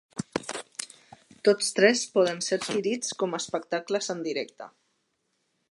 Tots tres poden ser adquirits com a espectacles en directe.